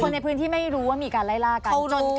ในพื้นที่ไม่รู้ว่ามีการไล่ล่ากัน